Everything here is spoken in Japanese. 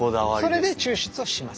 それで抽出をします。